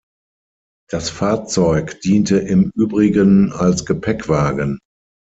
Das Fahrzeug diente im Übrigen als Gepäckwagen.